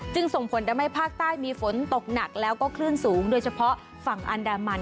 ส่งผลทำให้ภาคใต้มีฝนตกหนักแล้วก็คลื่นสูงโดยเฉพาะฝั่งอันดามัน